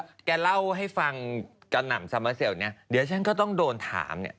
ถ้าแกเล่าให้ฟังกระหน่ำซามาเซลเนี่ยเดี๋ยวฉันก็ต้องโดนถามเนี่ย